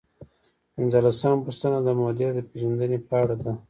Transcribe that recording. پنځلسمه پوښتنه د مدیر د پیژندنې په اړه ده.